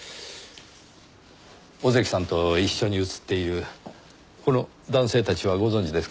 小関さんと一緒に写っているこの男性たちはご存じですか？